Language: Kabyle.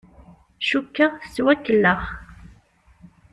Cukkeɣ tettwakellex.